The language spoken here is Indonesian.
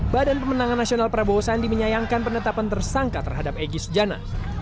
badan pemenangan nasional prabowo sandi menyayangkan penetapan tersangka terhadap egy sujana